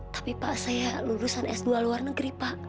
tapi pak saya lulusan s dua luar negeri pak